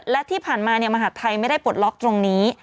และที่ผ่านมามหาดไทยไม่ได้ปลดล็อกตรงนี้